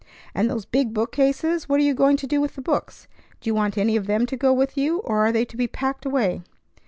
"And those big bookcases. What are you going to do with the books? Do you want any of them to go with you, or are they to be packed away?"